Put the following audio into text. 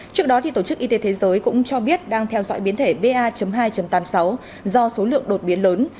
trước đó tổ chức y tế thế giới cũng cho biết đang theo dõi biến thể ba hai tám mươi sáu do số lượng đột biến lớn